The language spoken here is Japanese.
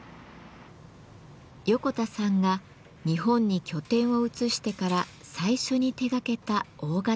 横田さんが日本に拠点を移してから最初に手がけた大型パイプオルガン。